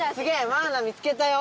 マウナ見つけたよ！